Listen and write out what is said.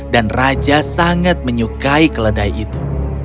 dan raja sangat menyukai keledai itu